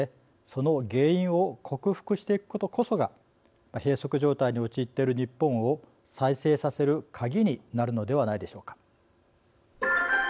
その原因を克服していくことこそが閉塞状態に陥っている日本を再生させる鍵になるのではないでしょうか。